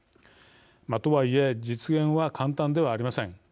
とはいえ実現は簡単ではありません。